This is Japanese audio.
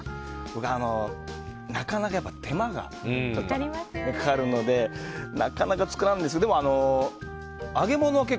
僕は、手間がかかるのでなかなか作らないんですよ。